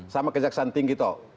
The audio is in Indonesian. sama kejaksaan tinggi toh